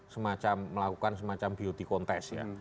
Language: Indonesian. semacam melakukan semacam beauty contest ya